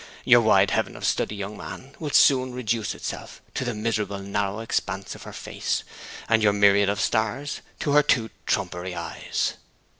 Your wide heaven of study, young man, will soon reduce itself to the miserable narrow expanse of her face, and your myriad of stars to her two trumpery eyes.